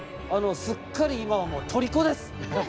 すっかり今はもうとりこです。